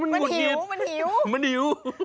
มันหิวมันหิว